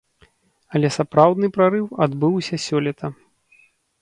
Але сапраўдны прарыў адбыўся сёлета.